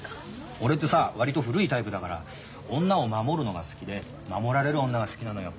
俺ってさ割と古いタイプだから女を守るのが好きで守られる女が好きなのよ。